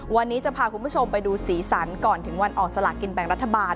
วันนี้จะพาคุณผู้ชมไปดูสีสันก่อนถึงวันออกสลากินแบ่งรัฐบาล